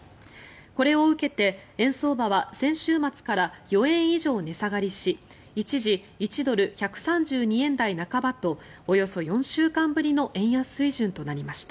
これを受けて円相場は先週末から４円以上値下がりし一時１ドル＝１３２円台半ばとおよそ４週間ぶりの円安水準となりました。